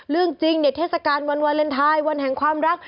เรื่องจริงเนี่ยเทศกาลวันวาเลนไทยวันแห่งความรัก